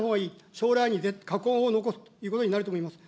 将来に禍根を残すということになると思います。